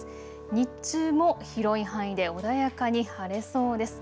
日中も広い範囲で穏やかに晴れそうです。